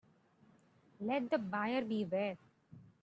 Let the buyer beware.